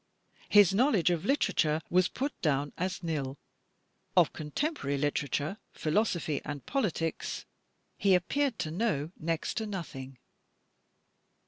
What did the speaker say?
His knowledge of literature was put down as " nil." " Of contemporary literature, philosophy, and politics, he appeared to know next to nothing.